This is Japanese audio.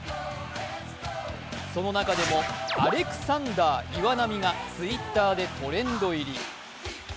その中でも「アレクサンダー・イワナミ」がＴｗｉｔｔｅｒでトレンド入り。